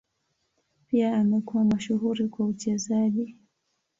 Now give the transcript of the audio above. Pia amekuwa mashuhuri kwa uchezaji.